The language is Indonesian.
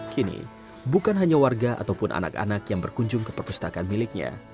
kini bukan hanya warga ataupun anak anak yang berkunjung ke perpustakaan miliknya